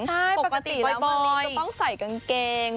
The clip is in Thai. ใช่ปกติแล้วเบอร์ลินจะต้องใส่กางเกง